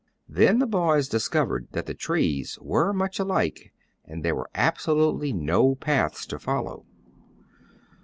Then the boys discovered that the trees were much alike, and there were absolutely no paths to follow.